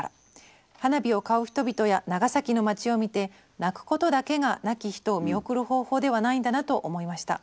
「花火を買う人々や長崎の街を見て泣くことだけが亡き人を見送る方法ではないんだなと思いました。